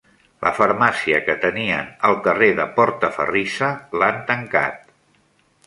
La farmàcia que tenien al carrer de Portaferrissa l'han tancat.